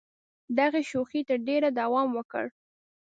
دغې شوخۍ تر ډېره دوام وکړ.